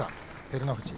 照ノ富士。